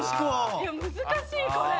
「いや難しいこれ」